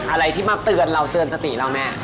อะไรที่มาเตือนเราเตือนสติเราแม่